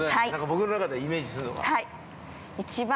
僕の中でイメージするのは。